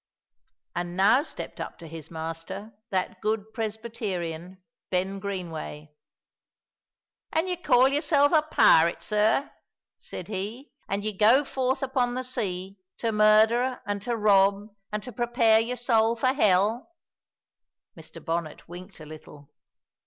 And now stepped up to his master that good Presbyterian, Ben Greenway. "An' ye call yoursel' a pirate, sir?" said he, "an' ye go forth upon the sea to murder an' to rob an' to prepare your soul for hell?" Mr. Bonnet winked a little.